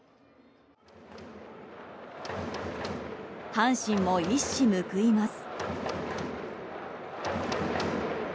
阪神も一矢報います。